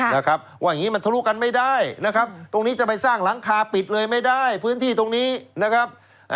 นะครับว่าอย่างนี้มันทะลุกันไม่ได้นะครับตรงนี้จะไปสร้างหลังคาปิดเลยไม่ได้พื้นที่ตรงนี้นะครับ